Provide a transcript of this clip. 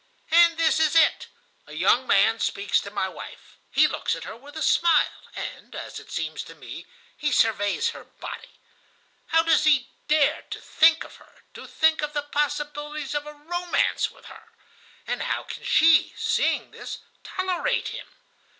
"And this is it. A young man speaks to my wife. He looks at her with a smile, and, as it seems to me, he surveys her body. How does he dare to think of her, to think of the possibility of a romance with her? And how can she, seeing this, tolerate him?